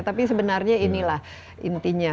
tapi sebenarnya inilah intinya